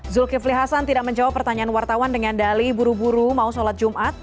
zulkifli hasan tidak menjawab pertanyaan wartawan dengan dali buru buru mau sholat jumat